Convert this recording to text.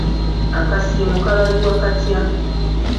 Akasiimo kabalibwa katya?